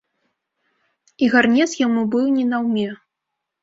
І гарнец яму быў не наўме.